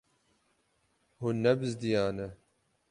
Hûn nebizdiyane.